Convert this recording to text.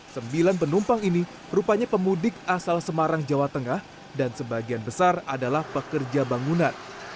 sembilan penumpang ini rupanya pemudik asal semarang jawa tengah dan sebagian besar adalah pekerja bangunan